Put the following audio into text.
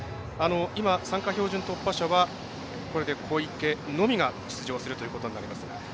今、参加標準突破者はこれで小池のみが出場するということです。